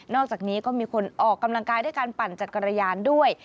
อกจากนี้ก็มีคนออกกำลังกายด้วยการปั่นจักรยานด้วย